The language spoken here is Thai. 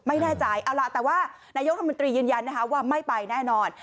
ไม่แน่ใจเอาล่ะแต่ว่านายกรัฐมนตรียืนยันนะคะว่าไม่ไปแน่นอน